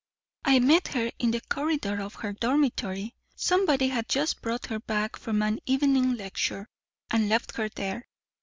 I met her in the corridor of her dormitory. Somebody had just brought her back from an evening lecture, and left her there.